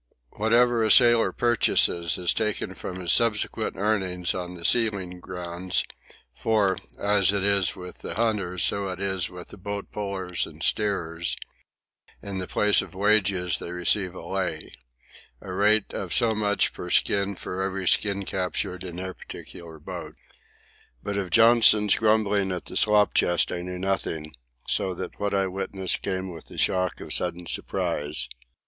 Whatever a sailor purchases is taken from his subsequent earnings on the sealing grounds; for, as it is with the hunters so it is with the boat pullers and steerers—in the place of wages they receive a "lay," a rate of so much per skin for every skin captured in their particular boat. But of Johnson's grumbling at the slop chest I knew nothing, so that what I witnessed came with a shock of sudden surprise.